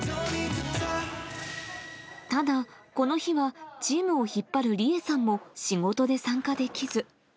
ただ、この日はチームを引っ張る理愛さんも仕事で参加できず。